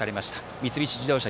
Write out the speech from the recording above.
三菱自動車